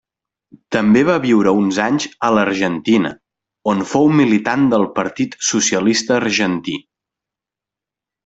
També va viure uns anys a l'Argentina, on fou militant del Partit Socialista Argentí.